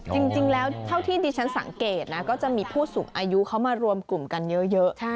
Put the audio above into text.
จริงแล้วเท่าที่ดิฉันสังเกตนะก็จะมีผู้สูงอายุเขามารวมกลุ่มกันเยอะ